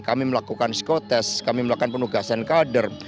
kami melakukan psikotest kami melakukan penugasan kader